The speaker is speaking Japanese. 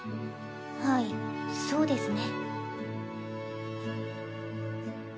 はいそうですね。